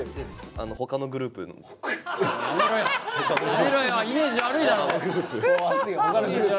やめろよイメージ悪いだろ！